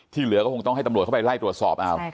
เหลือก็คงต้องให้ตำรวจเข้าไปไล่ตรวจสอบเอา